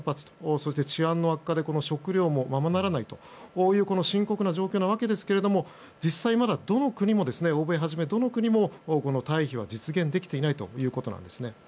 そして治安の悪化で食料もままならない深刻な状況ですけど実際、まだ欧米をはじめどの国も退避は実現できていないということなんですね。